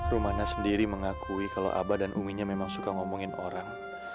rumana sendiri mengakui kalau aba dan umi nya memang suka ngomongin orang